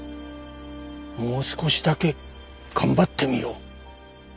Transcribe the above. もう少しだけ頑張ってみよう。